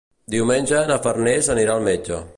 Diumenge na Farners anirà al metge.